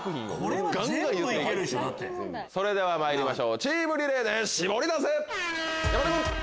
それではまいりましょうチームリレーでシボリダセ！